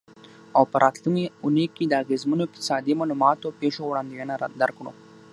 او په راتلونکې اونۍ کې د اغیزمنو اقتصادي معلوماتو او پیښو وړاندوینه درکړو.